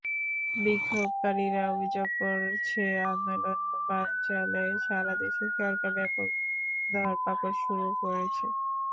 বিক্ষোভকারীরা অভিযোগ করছে, আন্দোলন বানচালে সারা দেশে সরকার ব্যাপক ধরপাকড় শুরু করেছে।